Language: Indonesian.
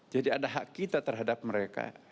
jadi ada hak kita terhadap mereka